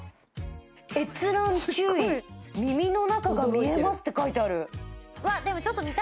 耳の中が見えます」って書いてある。